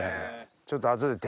ちょっと。